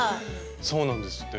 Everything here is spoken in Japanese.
そうなんですって。